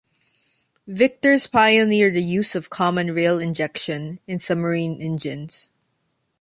Vickers pioneered the use of common rail injection in submarine engines.